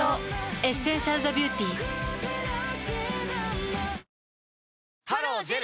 「エッセンシャルザビューティ」ハロージェル！